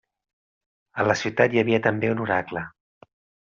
A la ciutat hi havia també un oracle.